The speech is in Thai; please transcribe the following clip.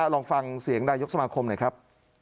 ลองฟังเสียงนายกสมาคมหน่อยครับ